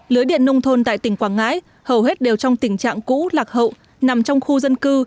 lưới điện nông thôn tại tỉnh quảng ngãi hầu hết đều trong tình trạng cũ lạc hậu nằm trong khu dân cư